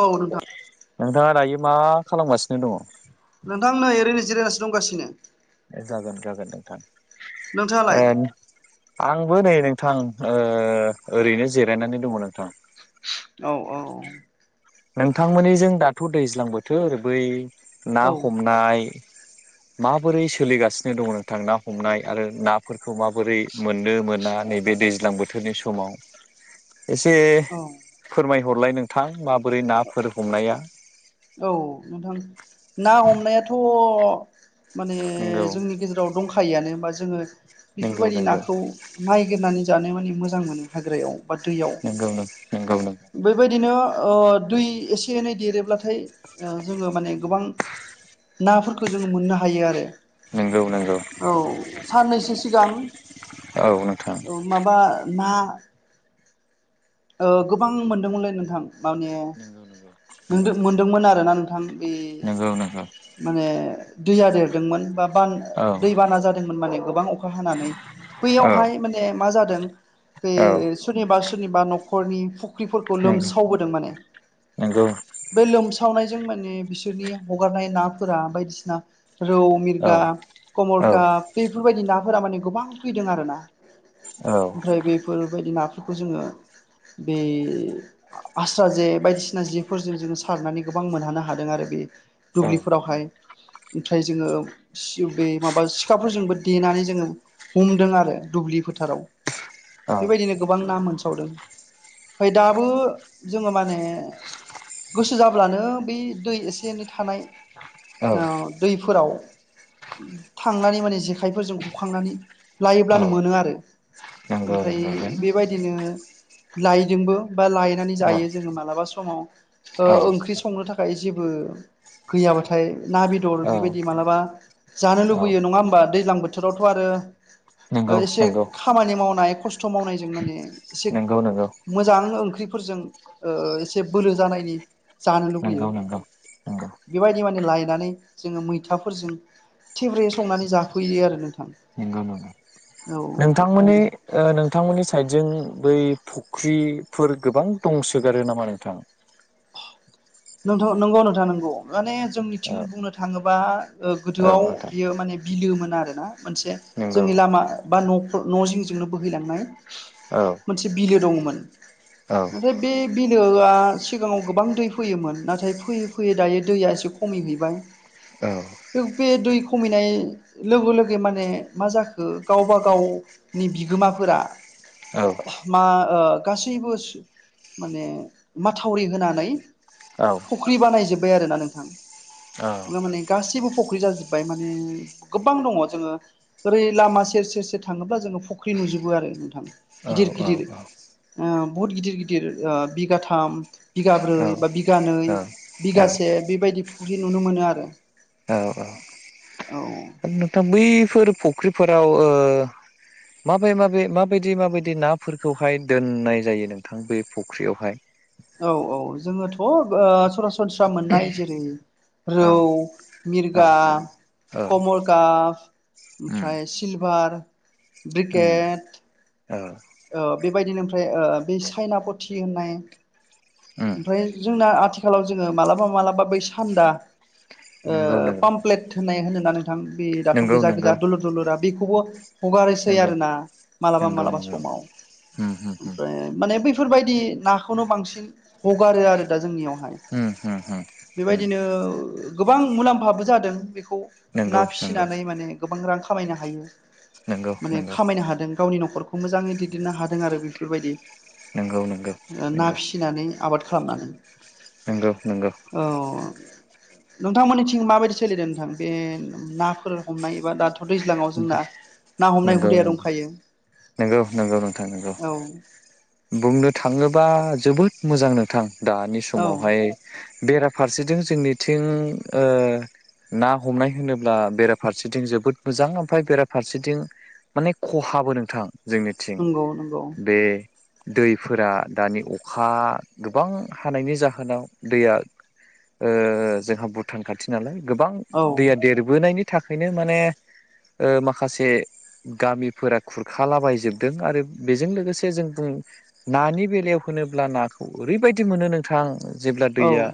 औ नोंथां नोंथाङा दायो मा खालामगासिनो दङ नोंथां नै ओरैनो जिरायनासो दंगासिनो जागोन जागोन नोंथां ओ नोंथाङालाय आंबो नै नोंथां ओ ओरैनो जिरायनानै दङ नोंथां औ औ नोंथांमोननिजों दाथ' दैज्लां बोथोर ओरै बै ना औ हमनाय। माबोरै सोलिगासिनो दङ नोंथां ना हमनाय आरो नाफोरखौ माबोरै मोननो मोना नैबे दै दैज्लां बोथोरनि समाव। एसे औ फोरमायहरलाय नोंथां माबोरै नाफोर हमनाया। औ नोंथां ना हमनायाथ' माने नंगौ जोंनि गेजेराव। दंखायोआानो हा जोङो नंगौ बेफोरबायदि नंगौ नाखौ नायगिरनानै जानो माने मोजां मोनो। हाग्रायाव बा दैयाव। नंगौ नंगौ नंगौ बेबायदिनो ओ दै एसे एनै देरोबला नाथाय जोङो माने गोबां नाफोरखौ जोङो मोननो हायो आरो। नंगौ नंगौ औ साननैसो सिगां औ। माबा मा। ओ गोबां मोनदोंमोनलै नोंथां माने नंगौ नंगौ न मोनदोंमोन आरोना नोंथां बे नंगौ नंगौ [inaudible] माने दैया देरदोंमोन बा बान औ दैबाना जादोंमोन माने गोबां अखा हानानै औ बैयावहाय माने मा जादों बे औ [inaudible] सोरनिबा सोरनिबा न'खरनि फुख्रिफोरखौ नंगौ लोमसावबोदों माने नंगौ बे लोमसावनायजों माने बिसोरनि हगारनाय नाफोरा बायदिसिना रौ औ मिरगा औ कमरका बेफोरबायदि नाफोरा माने गोबां फैदों आरोना ओमफ्राय बेफोरबायदि नाफोरखौ जोङो बे आस्रा जे बायदिसिना जेफोरजों जोङो सारनानै गोबां मोनहानो हादों आरो बे औ दुब्लिफोरावहाय ओमफ्राय जोङो बे माबा सिखाफोरजोंबो देनानै जोङो हमदों आरो दुब्लि फोथाराव औ बेबादिनो गोबां ना मोनसावदों। ओमफ्राय दाबो जोङो माने गोसो जाब्लानो बे दै एसे एनै थानाय औ ओ दैफोराव थांनानै माने जेखाइफोरजों हखांनानै औ लायोब्लानो मोनो आरो नंगौ नंगौ ओमफ्राय बेबायदिनो लायदोंबो बा लायनानै औ जायो जोङो मालाबा समाव ओ औ ओं ख्रि संनो थाखाय जेबो गैयाबाथाय ना बेदर औ बेबायदि मालाबा जानो लुबैयो नङा होमबा दैज्लां बोथोरावथ' आरो नंगौ एसे नंगौ ओ खामानि मावनाय खस्थ' थ' मावनायजों माने एसे नंगौ नंगौ मोजां ओंख्रिफोरजों एसे बोलो जानायनि जानो नंगौ लुबैयो। नंगौ बेबायदि माने लायनानै जोङो मैथाफोरजों थेब्रे संनानै जाफैयो आरो नोंथां। नंगौ ना औ नोंथांमोननि माने ओ नोंथांमोननि साइडजों बै फुख्रिफोर गोबां दंसोगारो नामा नोंथां? नोंथांथ नंगौ नोंथां नंगौ माने जोंनिथिं औ बुंनो थाङोबा ओ औ गोदोआव नोंथां बियो माने बिलोमोन आरोना मोनसे नंगौ जोंनि लामा बा न'फोर न' जिंजोंनो बोहैलांनाय औ मोनसे बिलो दङ'मोन औ नाथाय बे बिलोआ सिगाङाव गोबां दै फै फैयोमोन नाथाय फैयै फैयै दायो दैया एसे खमैहैबाय औ बे दै खमायनाय लोगो लोगो माने मा जाखो गावबा गाव नि बिगोमाफोरा औ मा ओ गासैबो माने माथावरि होनानै फख्रि बानायजोब्बाय आरो ना नोंथां। औ माने गासैबो फख्रि जाजोब्बाय माने गोबां दङ' जोङो ओरै लामा सेर सेर सेर थाङोब्ला जोङो फख्रि नुजोबो आरो नोंथां। औ गिदिर गिदिर औ औ। ओ बुहुद गिदिर गिदिर ओ बिगाथाम बिगाब्रै बा औ बिगानै, बिगासे बेबायदि फुख्रि नुनो मोनो आरो औ औ औ औ नोंथां बैफोर फुख्रिफोराव ओ माबे माबे माबायदि माबायदि नाफोरखौहाय दोननाय जायो नोंथां बे फुख्रियावहाय? औ औ जोङोथ' ओ सरासनस्रा मोननाय जेरै- रौ, औ औ मिरगा, औ कमल काफ उम ओमफ्राय सिलभार, उम ब्रिकेट औ ओ बेबायदिनो ओमफ्राय ओ बै साइनापुथि होननाय उम ओमफ्राय जोंना आथिखालाव जोङो मालाबा मालाबा बै सान्दा। ओ नंगौ नंगौ पामप्लेट होनाय होननानै। नोंथां बे दाथ' नंगौ गोजा गोजा नंगौ दुलुर दुलुरा बेखौबो हगारसै नंगौ आरोना मालाबा नंगौ मालाबा। नंगौ समाव उम उम उम ओमफ्राय माने बैफोरबायदि नाखौनो बांसिन। हगारो आरो दा जोंनियावहाय। उम होम होम बेबायदिनो गोबां मुलाम्फाबो जादों बेखौ। ना नंगौ नंगौ फिसिनानै माने गोबां रां खामायनो हायो नंगौ माने नंगौ खामायनो हादों गावनि न'खर खौ मोजाङै दैदेननो हादों आरो बेफोरबायदि। नंगौ नंगौ। ना नंगौ फिसिनानै आबाद खालामनानै। नंगौ नंगौ औ। नोंथांमोननिथिं माबायदि सोलिदों नोंथां बे नाफोर हमनाय एबा दाथ' दैज्लाङाव जोंना। ना हमनाय नंगौ नंगौ हुदाया दंखायो। नंगौ नंगौ नोंथां नंगौ औ बुंनो थाङोबा जोबोद मोजां नोंथां। दानि औ समावहाय बेराफारसेथि जोंनिथिं ओ ना हमनाय होनोब्ला बेराफारसेथिं जोबोद मोजां ओमफफ्राय बेराफारसेथिं। माने खहाबो नोंथां जोंनिथिं नंगौ नंगौ बे। दैफोरा दानि अखा गोबां हानायनि जाहोनाव दैया। ओ जोंहा भुटान खाथि नालाय गोबां औ दैया देरबोनायनि। थाखायनो माने ओ माखासे गामिफोरा। खुरखालाबायजोबदों आरो बेजों लोगोसे जों बुं। नानि बेलायाव होनोब्ला नाखौ ओरैबायदि मोनो नोंथां जेब्ला औ दैया।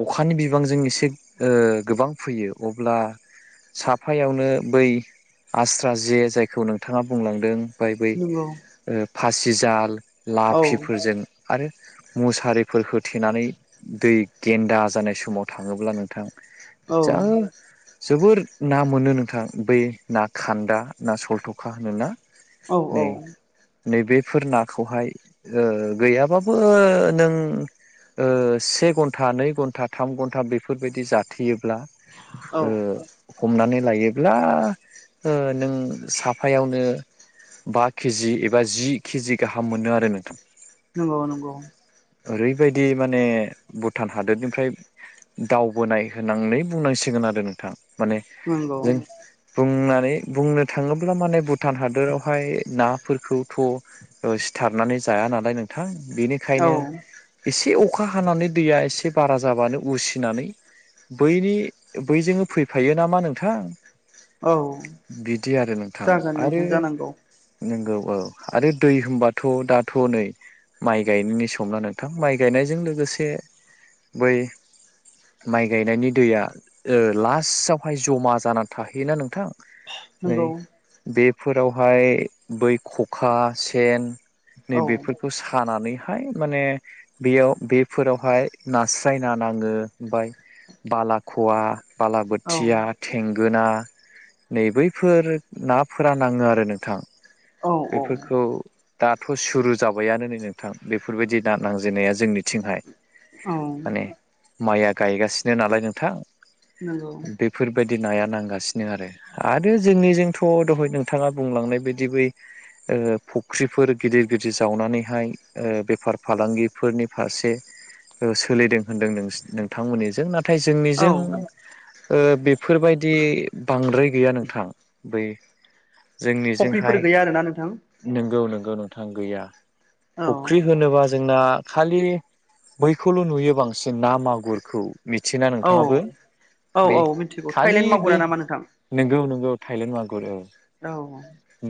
अखानि बिबांजों एसे गोबां फैयो अब्ला। साफायावनो बै आस्रा जे जायखौ नों थाङा बुंलांदों बाय बै नंगौ फासिजाल औ लाफिफोरजों। आरो मुसारिफोर होथेनानै दै गेन्दा जानाय समाव थाङोब्ला नोंथां औ जा जोबोर ना मोनो नोंथां बै ना खान्दा ना सलथ'खा होनोना। औ नै। औ नै बेफोर नाखौहाय ओ गैयाबाबो नों ओ से घन्टा, नै घन्टा, थाम घन्टा बेफोरबायदि जाथेयोब्ला औ ओ हमनानै लायोब्ला ओ नों साफ फायावनो बा के जि एबा जि के जि गाहाम मोनो आरो नोंथां। नंगौ नंगौ। ओरैबायदि माने भुटान हादोरनिफ्राय दावबोनाय होननानै बुंनांसिगोन आरो नोंथां। माने नंगौ जों बुंनानै बुंनो थाङो [unintelligible] माने भुटान हादोरावहाय नाफोरखौथ' ओ सिथारनानै जाया नालाय नों थां, औ बेनिखायनो एसे अखा हानानै दैया एसे बारा जाबानो उसिनानै बैनि बैजोंनो फैफायो नामा नोंथां। औ बिदि आरो नोंथां जागोन आरो नोंथां जानांगौ नंगौ औ आरो दै होनबाथ' दाथ' नै माइ गायनायनि समना नोंथां, माइ गायनायजों लोगोसे बै माइ गायनायनि दैया ओ लासावहाय जमा जानानै थाहैयोना नोंथां। नै नंगौ बेफोरावहाय बै खखा, सेन औ नैबेफोरखौ सानानैहाय माने बेयाव बेफोरावहाय नास्राय ना नाङो आमफाय बालाख'वा औ बालाबोथिया, थेंगोना नै बैफोर नाफोरा नाङो आरो नोंथां। औ औ बेफोरखौ दाथ' सुरु जाबायानो नै नोंथां बेफोरबायदि दा नांजेननाया जोंनिथिंहाय। औ माने माइया गायगासिनो नालाय नोंथां। नंगौ। बेफोरबायदि नाया नांगासिनो आरो। आरो जोंनिजोंथ' दहाय नोंथाङा बुंलांनाय बायदि बै ओ फख्रिफोर गिदिर गिदिर जावनानैहाय ओ बेफार फालांगिफोरनि फारसे ओ सोलिदों होनदों नोंसि-नोंथांमोननिजों ना थाय औ जोंनिजों ओ बेफोरबायदि बांद्राय गैया नोंथां। बै जोंनिजोंहाय फख्रिफोर गैया आरोना नोंथां। नोंगौ नोंगौ नोंथां गैया, औ फख्रि होनोबा जोंना खालि बैखौल' नुयो बांसिन ना मागुरखौ। मिथियोना औ नोंथाङाबो औ बे औ मिथिगौ खालि थाइलेण्ड मावगुरा बे नामा नोंथां नोंगौ नोंगौ थायलेण्ड मागुर ओ। औ।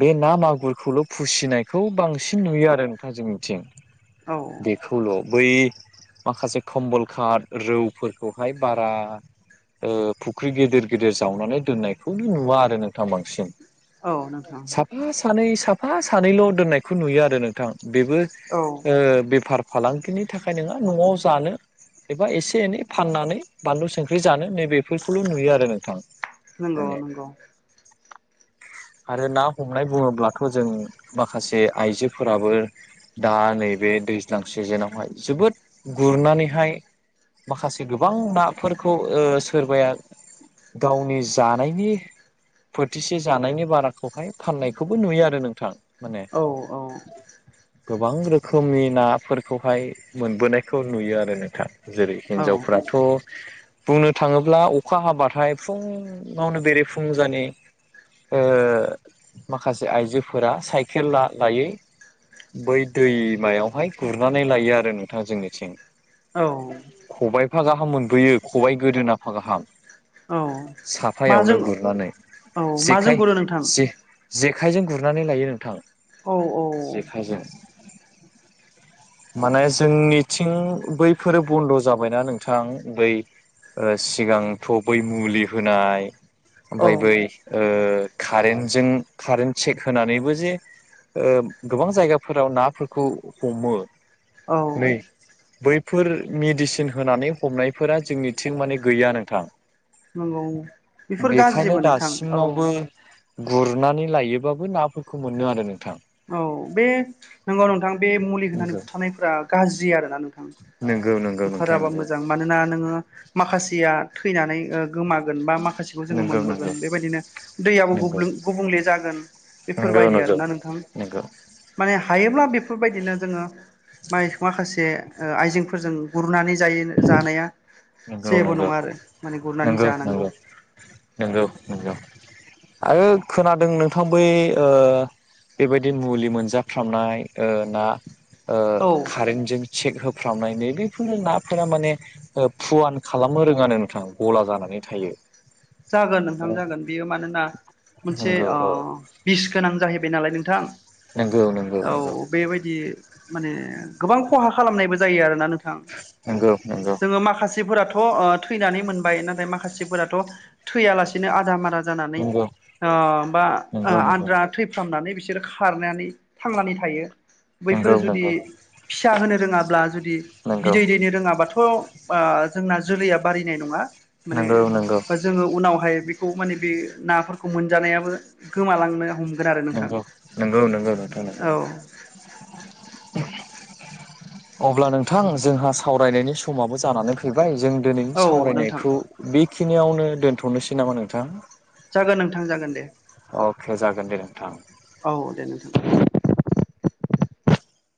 बे ना मागुरखौल' फुसिनायखौ बांसिन नुयो आरो नोंथां जोंनिथिं। औ। खौल' बै माखासे खम्बल काथ, रौफोरखौहाय बारा ओ फुख्रि गेदिर गेदिर जावनानै दोननायखौबो नुवा आरो नोंथां बांसिन। औ नोंथां। साफा सानै साफा सानैल' दोननायखौ नुयो आरो नोंथां बेबो औ ओ बेफार फालांगिनि थाखाय नङा न'आव जानो एबा एसे एनै फाननानै बानलु संख्रै जानो नै बेफोरखौल' नुयो आरो नोंथां। नंगौ माने नंगौ। आरो ना हमनाय बुङोब्लाथ' जों माखासे आइजोफोराबो दा नैबे दैज्लां सिजोनावहाय जोबोद गुरनानैहाय माखासे गोबां नाफोरखौ ओ सोरबाया गावनि जानायनि फोथिसे जानायनि बाराखौहाय फाननायखौबो नुयो आरो नोंथां माने औ औ गोबां रोखोमनि नाफोरखौहाय मोनबोनायखौ नुयो आरो नोंथां जेरै औ हिनजावफोराथ' बुंनो थाङोब्ला अखा हाबाथाय फुङावनो बेरे-फुंजानि ओ माखासे आइजोफोरा साइकेल लायै बै दैमाआवहाय गुरनानै लायो आरो नोंथाङ जोंनिथिं औ खबायाइफा गाहाम मोनबोयो खबाइ गोदोनाफा गाहाम औ साफायावनो गुरनानै जेखाय ओ नोंथां जेखायजों गुरनानै लायो नोंथां औ औ जेखाइजों [inaudible] माने जोंनिथिं बैफोरो बन्द' जाबायना नोंथां बै ओ सिगांथ' बै मुलि होनाय औ ओमफाय बै ओ कारेन्टजों कारेन्ट चेक होनानैबो जे ओ गोबां जायगाफोराव नाफोरखौ हमो नै औ बैफोर मेडिसिन होनानै हमनायफोरा जोंनिथिं माने गैया नोंथां नंगौ बेफोर गाज्रिबो बेखायनो नोंथां औ दासिमावबो गुरनानै लायोबाबो नाफोरखौ मोनो आरो नोंथां औ बे नंगौ नोंथां बे मुलि होननानै बुथारनायफोरा गाज्रि आरो ना नोंथां नंगौ नंगौ नोंथां बुथाराबा नोंगौ मोजां मानोना नोङो माखासेया थैनानै ओ गोमागोन बा माखासेखौ जोङो नंगौ मोनबोगोन बेबायदिनो दैयाबो नंगौ गुब्लुं गुबुंले जागोन नंगौ नंगौ बेफोरबायदि आरो ना नोंथां माने हायोब्ला बेफोरबायदिनो जोङो माइ माखासे ओ आइजेंफोरजों गुरनानै जायो जानाया नंगौ नंगौ जेबो नङा आरो माने गुरनानै नंगौ नंगौ जानांगौ नंगौ नंगौ आरो खोनादों नोंथां बै ओ बेबायदि मुलि मोनजाफ्रामनाय ओ ना ओ औ कारेंजों सिट होफ्रामनाय नै बेेफोर नाफोरा माने ओ फुवान खालामनो रोङानो नोंथां गला जानानै थायो जागोन नोंथां जागोन बियो मानोना मोनसे नंगौ औ बिस गोनां जाहैबाय नालाय नोंथां नंगौ नंगौ औ नंगौ बेबायदि माने गोबां खहा खालामनायबो जायो आरोना नोंथां नोंथां नंगौ नंगौ जोङो माखासे फोराथ' ओ थैनानै मोनबाय नाथाय माखासेफोराथ' थैयालासेनो आदा मारा जानानै नंगौ अ बा नंगौ नंगौ आद्रा थैफ्रामनानै बिसोरो खारनानै थांनानै थायो बैफोरो नंगौ जुदि नंगौ फिसा होनो रोङाब्ला जुदि बिदै नंगौ दैनो रोङाबाथ' खौ जोंना जोलैया बारयनाय नङा माने नंगौ नंगौ बा जोङो उनावहाय बेखौ माने बे नाफोरखौ मोनजानायाबो गोमालांनो हमो नंगौ नंगौ नंगौ नोंथां नांगौ औ अब्ला नोंथां जोंहा सावरायनायनि समाबो जानानै फैबाय जों दिनैनि औ नोंथां सावरायनायखौ बेखिनियावनो दोनथ'नोसै नामा नोंथां जागोन नोंथां जागोन दे अके जागोन दे नोंथां औ दे नोंथां